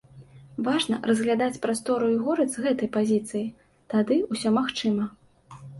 Важна разглядаць прастору і горад з гэтай пазіцыі, тады ўсё магчыма.